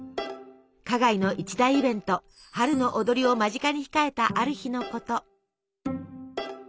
花街の一大イベント「春のをどり」を間近に控えたある日のこと。